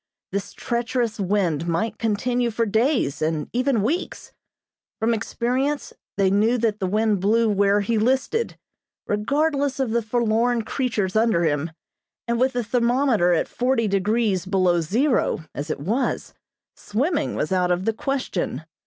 This treacherous wind might continue for days and even weeks. From experience they knew that the wind blew where he listed, regardless of the forlorn creatures under him, and with the thermometer at forty degrees below zero, as it was, swimming was out of the question.